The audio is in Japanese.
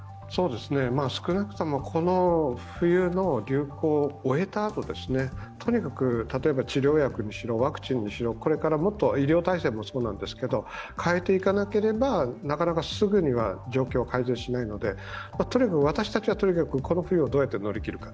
少なくともこの冬の流行を終えたあと、とにかく、例えば治療薬にしろワクチンにしろ、これからもっと、医療体制もそうなんですけれども、変えていかなければ、なかなかすぐには状況は改善しないのでとにかく私たちはこの冬をどうやって乗り切るか。